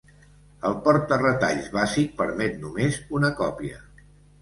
El porta-retalls bàsic permet només una còpia.